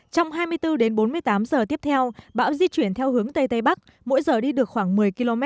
trong hai mươi bốn đến bốn mươi tám giờ tiếp theo bão di chuyển theo hướng tây tây bắc mỗi giờ đi được khoảng một mươi km